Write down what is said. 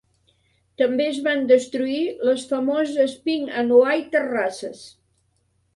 També es van destruir les famoses Pink and White Terraces.